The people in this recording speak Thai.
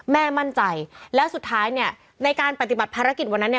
แม่มั่นใจแล้วสุดท้ายในการปฏิบัติภารกิจวันนั้น